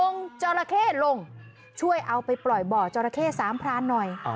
องค์จอห์ละเข้ลงช่วยเอาไปปล่อยเบาะจอห์ละเข้สามพร้านหน่อย